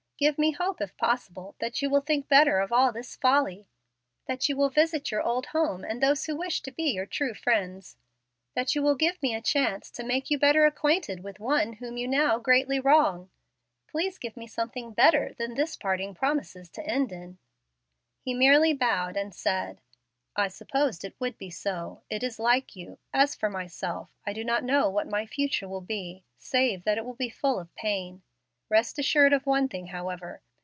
Give me hope, if possible, that you will think better of all this folly that you will visit your old home and those who wish to be your true friends that you will give me a chance to make you better acquainted with one whom you now greatly wrong. Please give me something better than this parting promises to end in." He merely bowed and said, "I supposed it would be so. It is like you. As for myself I do not know what my future will be, save that it will be full of pain. Rest assured of one thing, however.